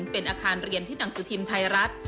เป็นอาคารเรียนที่หนังสือพิมพ์ไทยรัฐ